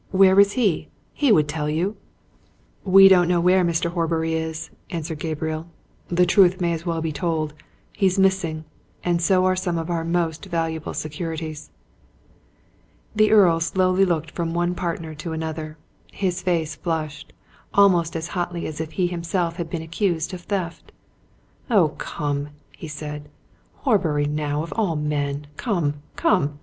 "Where is he? He would tell you!" "We don't know where Mr. Horbury is," answered Gabriel "The truth may as well be told he's missing. And so are some of our most valuable securities." The Earl slowly looked from one partner to another. His face flushed, almost as hotly as if he himself had been accused of theft. "Oh, come!" he said. "Horbury, now, of all men! Come come!